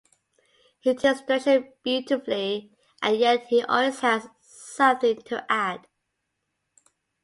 He takes direction beautifully, and yet he always has something to add.